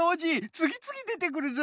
つぎつぎでてくるぞ！